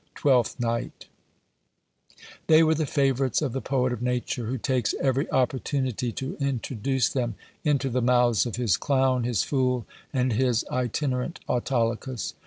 Twelfth Night. They were the favourites of the Poet of Nature, who takes every opportunity to introduce them into the mouths of his clown, his fool, and his itinerant Autolycus.